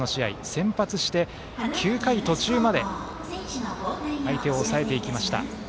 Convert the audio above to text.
先発して９回途中まで相手を抑えていきました。